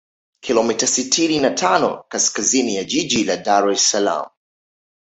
kilomita sitini na tano kaskazini ya jiji la Dar es Salaam